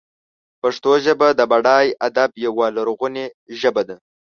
پښتو ژبه د بډای ادب یوه لرغونې ژبه ده.